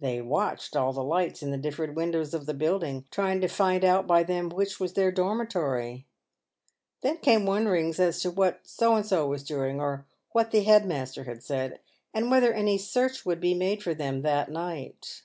They watched all the lights in the different windows of the building, trying to find out by them which was their dormitory. Then came wonderings as to what " So and so was doing," or "what the head master had said," and whether any search would be made for them that night.